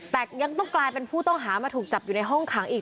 แต่ยังต้องกลายเป็นผู้ต้องหามาถูกจับอยู่ในห้องขังอีก